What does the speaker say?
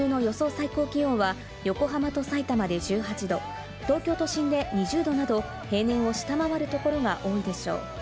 最高気温は横浜と埼玉で１８度、東京都心で２０度など、平年を下回る所が多いでしょう。